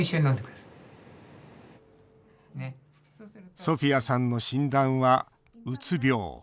ソフィアさんの診断はうつ病。